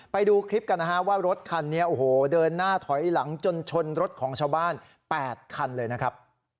ไปดูคลิปกันนะฮะว่ารถคันนี้โอ้โหเดินหน้าถอยหลังจนชนรถของชาวบ้าน๘คันเลยนะครับ